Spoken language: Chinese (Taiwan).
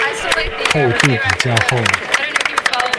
厚度比較厚